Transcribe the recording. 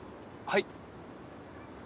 はい？